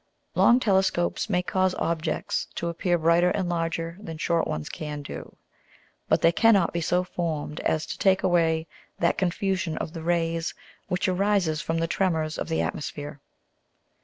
Long Telescopes may cause Objects to appear brighter and larger than short ones can do, but they cannot be so formed as to take away that confusion of the Rays which arises from the Tremors of the Atmosphere.